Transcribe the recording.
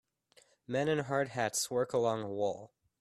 Men in hard hats work along a wall.